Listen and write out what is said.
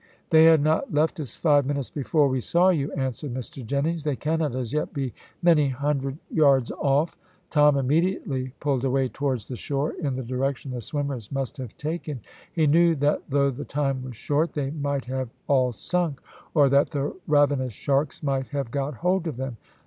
"They had not left us five minutes before we saw you," answered Mr Jennings; "they cannot as yet be many hundred yards off." Tom immediately pulled away towards the shore in the direction the swimmers must have taken. He knew that though the time was short they might have all sunk, or that the ravenous sharks might have got hold of them.